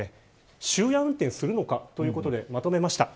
終夜運転をするのかということで、まとめました。